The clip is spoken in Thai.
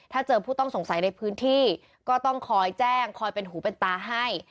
ถ้าเจอผู้ต้องสงสัยในพื้นที่ก็ต้องคอยแจ้งคอยเป็นหูเป็นตาให้